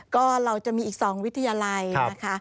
ก็เราจะมีอีก๒วิทยาลัยนะคะ